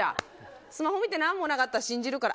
スマホ見て何もなかったら信じるから。